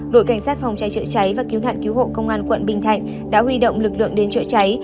đội cảnh sát phòng cháy trợ cháy và cứu hạn cứu hộ công an quận bình thạnh đã huy động lực lượng đến trợ cháy